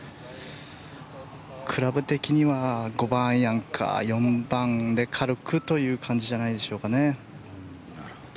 クラブ的には５番アイアンか４番で軽くという感じじゃないでしょうかね。